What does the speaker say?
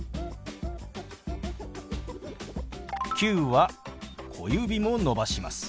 「９」は小指も伸ばします。